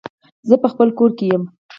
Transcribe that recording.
زه په خپل کور کې يم